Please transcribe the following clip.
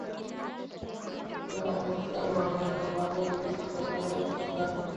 তবে সম্ভাবনা থাকলেই হবে না, মাঠে আমাদের সেরা খেলাটাই খেলতে হবে।